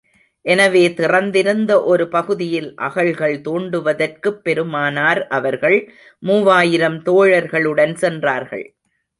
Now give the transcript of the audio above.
எனவே திறந்திருந்த ஒரு பகுதியில் அகழ்கள் தோண்டுவதற்குப் பெருமானார் அவர்கள் மூவாயிரம் தோழர்களுடன் சென்றார்கள்.